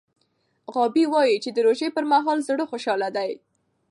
غابي وايي چې د روژې پر مهال زړه خوشحاله دی.